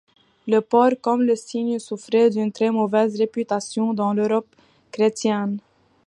Le porc comme le singe souffraient d'une très mauvaise réputation dans l'Europe chrétienne.